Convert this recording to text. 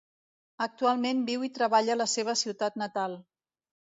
Actualment viu i treballa a la seva ciutat natal.